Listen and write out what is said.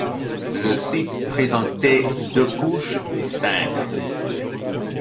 Le site présentait deux couches distinctes.